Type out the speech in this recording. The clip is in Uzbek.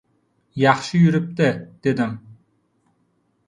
Yaxshi yuribdi! — dedim.